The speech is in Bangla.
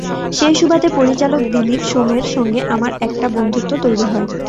সেই সুবাদে পরিচালক দিলীপ সোমের সঙ্গে আমার একটা বন্ধুত্ব তৈরি হয়।